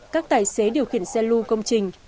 các tài xế điều khiển xe lưu công trình